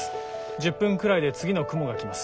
１０分くらいで次の雲が来ます。